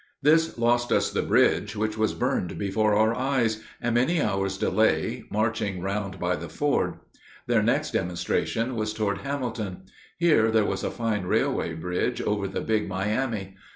This lost us the bridge, which was burned before our eyes, and many hours' delay, marching round by the ford. Their next demonstration was toward Hamilton. Here there was a fine railway bridge over the Big Miami.